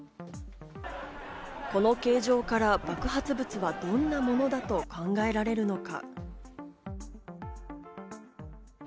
この形状から爆発物はどんなものだと考えられるのか？